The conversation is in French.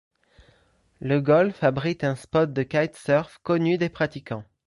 Le golfe abrite un spot de kitesurf connu des pratiquants.